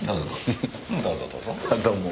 どうも。